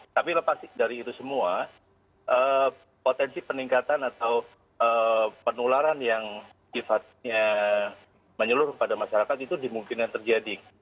tapi lepas dari itu semua potensi peningkatan atau penularan yang sifatnya menyeluruh kepada masyarakat itu dimungkinkan terjadi